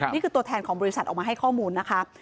นี่คือตัวแทนของบริษัทออกมาให้ข้อมูลนะคะ